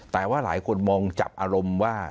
แต่ว่าหลายคนมองจับอารมณ์ว่า